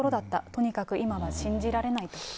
とにかく今は信じられないと。